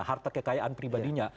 harta kekayaan pribadinya